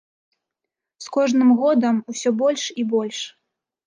З кожным годам усё больш і больш.